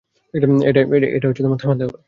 এটা থামাতে হবে।